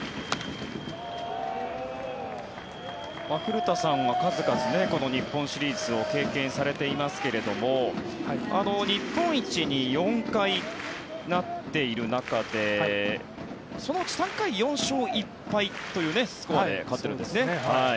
古田さんは数々、日本シリーズを経験されていますが日本一に４回なっている中でそのうち３回、４勝１敗というスコアで勝っているんですね。